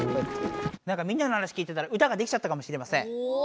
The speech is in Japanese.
なんかみんなの話聞いてたら歌ができちゃったかもしれません。